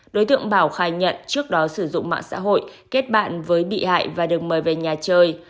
đối tượng bảo khai nhận trước đó sử dụng mạng xã hội kết bạn với bị hại và được mời về nhà chơi